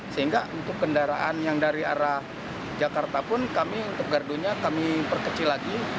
sehingga untuk kendaraan yang dari arah jakarta pun kami untuk gardunya kami perkecil lagi